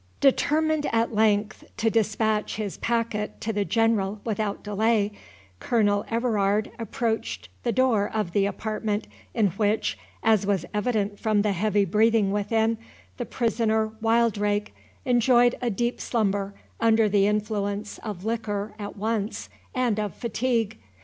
Determined at length to dispatch his packet to the General without delay, Colonel Everard approached the door of the apartment, in which, as was evident from the heavy breathing within, the prisoner Wildrake enjoyed a deep slumber, under the influence of liquor at once and of fatigue.